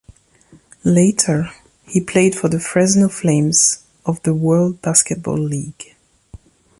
Later, he played for the Fresno Flames of the World Basketball League.